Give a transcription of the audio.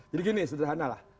jadi gini sederhana lah